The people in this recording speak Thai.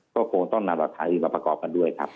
ก็คงต้องนำหลักฐานอื่นมาประกอบกันด้วยครับ